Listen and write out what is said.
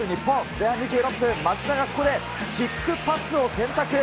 前半２６分、松田がここでキックパスを選択。